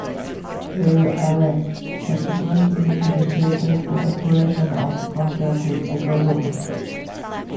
Aer Arann subsequently negotiated the operation of the contract with the Government.